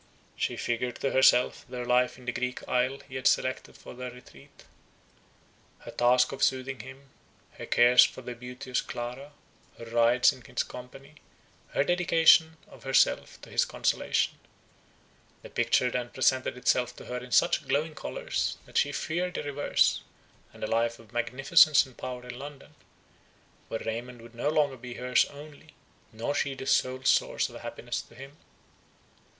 She figured to herself their life in the Greek isle he had selected for their retreat; her task of soothing him; her cares for the beauteous Clara, her rides in his company, her dedication of herself to his consolation. The picture then presented itself to her in such glowing colours, that she feared the reverse, and a life of magnificence and power in London; where Raymond would no longer be hers only, nor she the sole source of happiness to him.